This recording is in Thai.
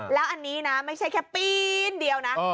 แล้วอันนี้นะไม่ใช่แค่ปีนเดียวนะ